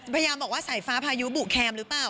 พยายามบอกว่าสายฟ้าพายุบุแคมหรือเปล่า